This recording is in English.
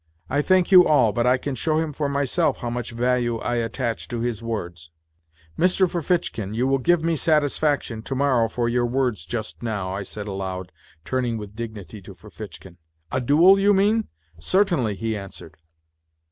" I thank you all, but I can show him for myself how much value I attach to his words." " Mr. Ferfitchkin, you will give me satisfaction to morrow our words just now !" I said aloud, turning with dignity to :chkin. " A duel, you mean ? Certainly/' he answered.